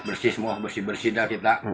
bersih semua bersih bersih